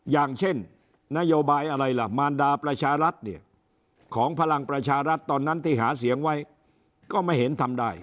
อย่างเช่นนโยบายอะไรล่ะมารดาประชารัฐเนี่ยของพลังประชารัฐตอนนั้นที่หาเสียงไว้ก็ไม่เห็นทำได้